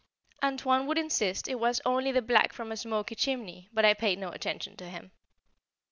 "Antoine" would insist it was only the black from a smoky chimney, but I paid no attention to him.